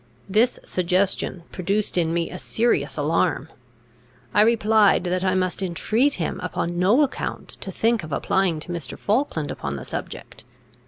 This suggestion produced in me a serious alarm. I replied, that I must entreat him upon no account to think of applying to Mr. Falkland upon the subject.